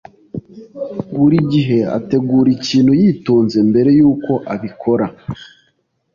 Buri gihe ategura ikintu yitonze mbere yuko abikora.